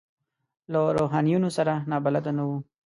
له روحانیونو سره نابلده نه وو.